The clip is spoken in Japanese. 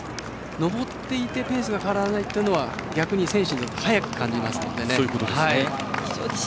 上っていてペースが変わらないというのは逆に選手にとっては速く感じますので。